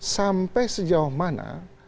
sampai sejauh mana